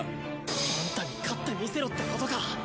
アンタに勝ってみせろってことか。